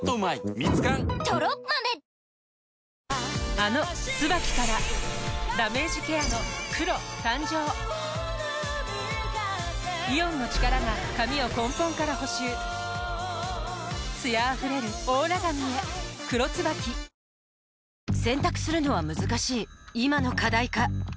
あの「ＴＳＵＢＡＫＩ」からダメージケアの黒誕生イオンの力が髪を根本から補修艶あふれるオーラ髪へ「黒ＴＳＵＢＡＫＩ」モニターの前だって自分で移動するスタイルよ